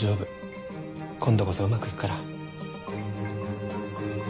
今度こそうまくいくから。